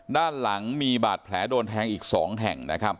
ด้านหลังมีบาดแผลโดนแทงอีก๒แห่งนะครับ